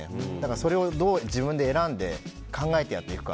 それをどう自分で選んで考えてやっていくか。